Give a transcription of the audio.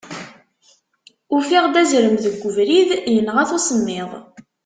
Ufiɣ-d azrem deg ubrid, yenɣa-t usemmiḍ.